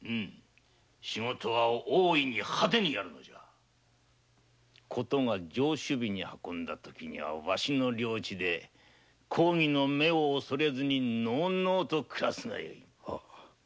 仕事は大いに派手にやるのじゃ事が上首尾に運んだ時には我が領地で公儀の目を恐れずのうのうと暮らすがよい。